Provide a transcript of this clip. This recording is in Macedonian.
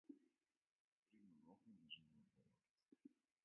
Туризмот во Охрид доживува колапс.